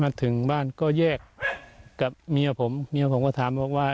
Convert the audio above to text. มาถึงบ้านก็แยกกับเมียผมเมียผมก็ถามบอกว่า